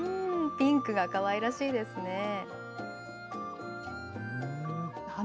ピンクがかわいらしいですね。